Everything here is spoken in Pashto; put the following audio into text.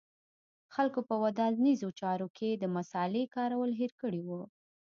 خلکو په ودانیزو چارو کې د مصالې کارول هېر کړي و